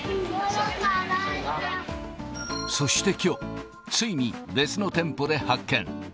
そしてきょう、ついに別の店舗で発見。